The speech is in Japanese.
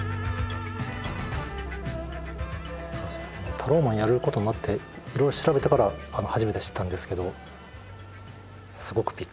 「ＴＡＲＯＭＡＮ」をやることになっていろいろ調べてから初めて知ったんですけどすごくびっくりで。